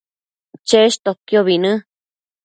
cheshtoquiobi në